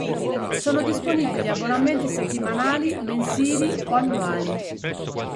Sono disponibili abbonamenti settimanali, mensili o annuali.